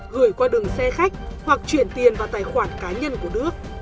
gửi qua đường xe khách hoặc chuyển tiền vào tài khoản cá nhân của đức